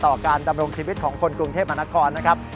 การดำรงชีวิตของคนกรุงเทพมหานครนะครับ